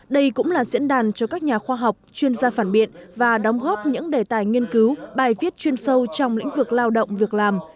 đây cũng là diễn đàn cho các nhà khoa học chuyên gia phản biện và đóng góp những đề tài nghiên cứu bài viết chuyên sâu trong lĩnh vực lao động việc làm